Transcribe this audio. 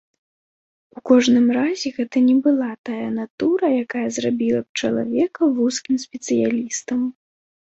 У кожным разе гэта не была тая натура, якая зрабіла б чалавека вузкім спецыялістам.